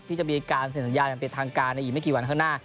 ที่จะมีการเซ็นสัญญาอย่างเป็นทางการในอีกไม่กี่วันข้างหน้า